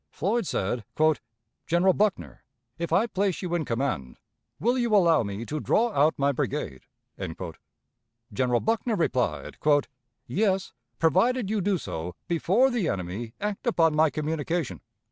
Floyd said, "General Buckner, if I place you in command, will you allow me to draw out my brigade?" General Buckner replied, "Yes, provided you do so before the enemy act upon my communication."